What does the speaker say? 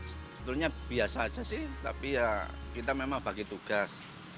sebetulnya biasa aja sih tapi ya kita memang bagi tugas